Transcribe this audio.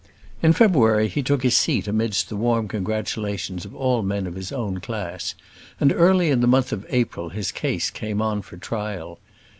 In February he took his seat amidst the warm congratulations of all men of his own class, and early in the month of April his case came on for trial.